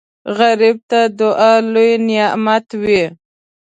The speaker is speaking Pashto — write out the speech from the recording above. غریب ته دعا لوی نعمت وي